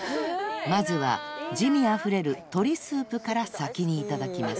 ［まずは滋味あふれる鶏スープから先にいただきます］